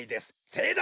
せいだ